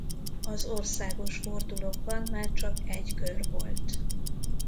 Az országos fordulókban már csak egy kör volt.